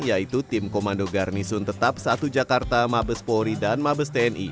yaitu tim komando garnisun tetap satu jakarta mabes polri dan mabes tni